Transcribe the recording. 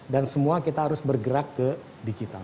dan semua kita harus bergerak ke digital